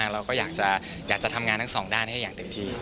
เราก็อยากจะทำงานทั้งสองด้านให้อย่างเต็มที่